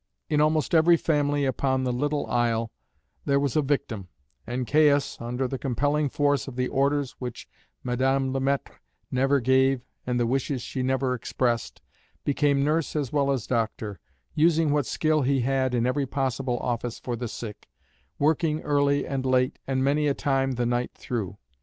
In almost every family upon the little isle there was a victim, and Caius, under the compelling force of the orders which Madame Le Maître never gave and the wishes she never expressed, became nurse as well as doctor, using what skill he had in every possible office for the sick, working early and late, and many a time the night through.